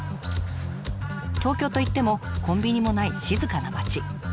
東京といってもコンビニもない静かな町。